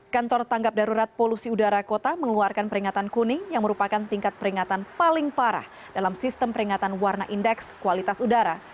kantor tanggap darurat polusi udara kota mengeluarkan peringatan kuning yang merupakan tingkat peringatan paling parah dalam sistem peringatan warna indeks kualitas udara